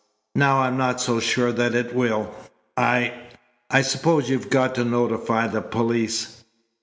Now I'm not so sure that it will. I I suppose you've got to notify the police."